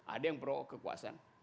ada yang pro kekuasaan